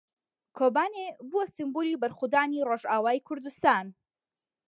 کۆبانێ بووە سمبولی بەرخۆدانی ڕۆژاوای کوردستان.